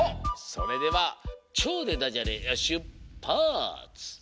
それでは「ちょう」でダジャレしゅっぱつ！